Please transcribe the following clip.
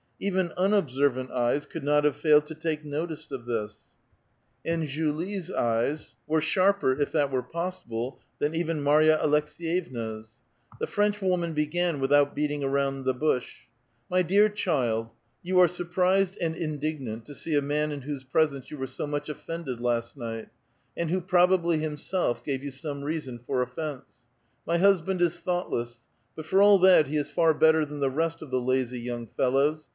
Even unobsei*vant eyes could not have failed to take notice of this, and Julie's eves 32 A VITAL QUESTION. were sharper, if that were possible, than even Marya Aleks^ yeviia's. The French woinau began without beating around the bush :—'' My dear child, you are surprised and indignant to see a man in whose presence you were so much offended last night, and who probably himself gave you some reason for offence. My husband is thoughtless ; but for all that, he is far better than the rest of the lazy young fellows.